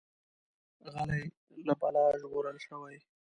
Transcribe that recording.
غلی، له بلا ژغورل شوی.